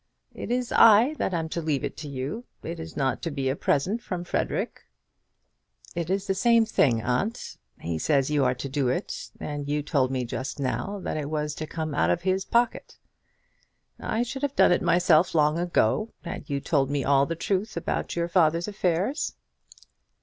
"It is I that am to leave it to you. It is not to be a present from Frederic." "It is the same thing, aunt. He says you are to do it; and you told me just now that it was to come out of his pocket." "I should have done it myself long ago, had you told me all the truth about your father's affairs."